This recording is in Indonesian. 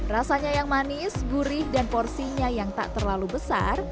rasanya yang manis gurih dan porsinya yang tak terlalu besar